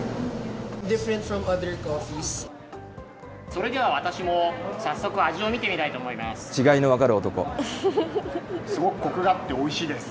それでは私も早速、味を見てみたいと思います。